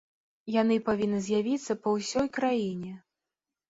Яны павінны з'явіцца па ўсёй краіне.